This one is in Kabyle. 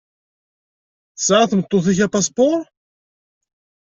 Tesεa tmeṭṭut-ik apaspuṛ?